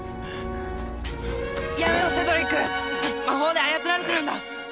やめろセドリック魔法で操られてるんだ！